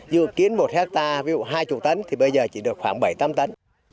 dự kiến một hectare ví dụ hai mươi tấn thì bây giờ chỉ được khoảng bảy tám tấn